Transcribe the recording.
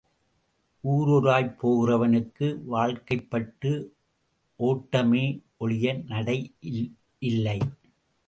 ஊரூராய்ப் போகிறவனுக்கு வாழ்க்கைப்பட்டு ஓட்டமே ஒழிய நடை இல்லை.